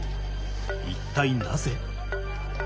一体なぜ？